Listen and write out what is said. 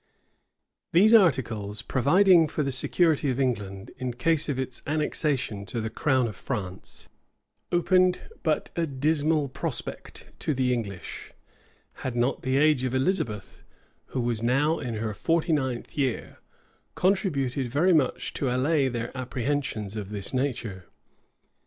These articles, providing for the security of England in case of its annexation to the crown of France, opened but a dismal prospect to the English, had not the age of Elizabeth, who was now in her forty ninth year, contributed very much to allay their apprehensions of this nature.